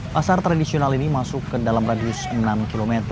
pasar tradisional ini masuk ke dalam radius enam km